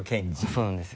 そうなんですよ。